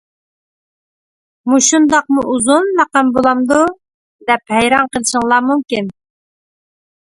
مۇشۇنداقمۇ ئۇزۇن لەقەم بولامدۇ؟ دەپ ھەيران قېلىشىڭلار مۇمكىن.